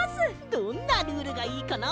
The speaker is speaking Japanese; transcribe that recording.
どんなルールがいいかなあ？